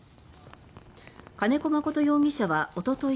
金子誠容疑者はおととい